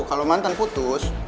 kalau mantan putus